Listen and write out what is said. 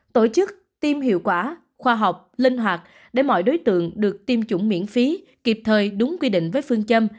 tổ chức tiêm hiệu quả khoa học linh hoạt để mọi đối tượng được tiêm chủng miễn phí kịp thời đúng quy định với phương châm